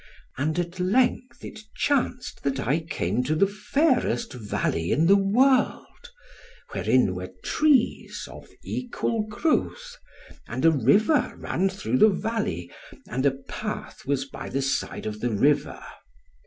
And at length it chanced that I came to the fairest valley in the world, wherein were trees of equal growth; and a river ran through the valley, and a path was by the side of the river.